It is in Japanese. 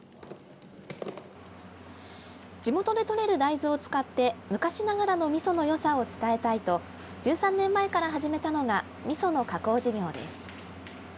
地元でとれる大豆を使って昔ながらのみそのよさを伝えたいと１３年前から始めたのがみその加工事業です。